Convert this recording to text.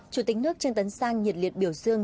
chủ tịch nước trương tấn sang nhiệt liệt biểu dương